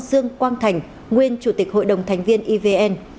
dương quang thành nguyên chủ tịch hội đồng thành viên evn